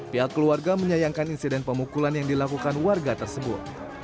pihak keluarga menyayangkan insiden pemukulan yang dilakukan warga tersebut